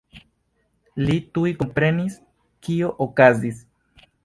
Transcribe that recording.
Li tuj komprenis, kio okazis.